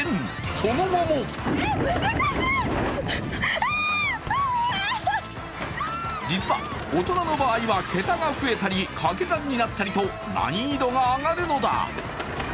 その後も実は、大人の場合は桁が増えたり掛け算になったりと難易度が上がるのだ。